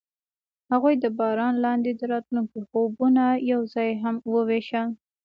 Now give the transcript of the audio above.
هغوی د باران لاندې د راتلونکي خوبونه یوځای هم وویشل.